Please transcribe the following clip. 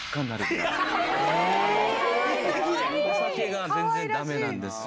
お酒が全然だめなんですよ。